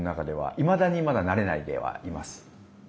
いまだにまだ慣れないではいます。